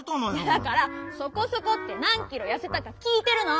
だから「そこそこ」ってなんキロやせたかきいてるの！